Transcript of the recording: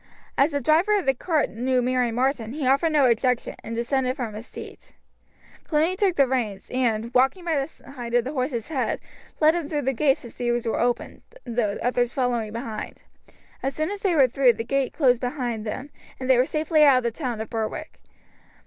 As the driver of the cart knew Mary Martin, he offered no objection, and descended from his seat. Cluny took the reins, and, walking by the side of the horse's head, led him through the gates as these were opened, the others following behind. As soon as they were through, the gate closed behind them, and they were safely out of the town of Berwick.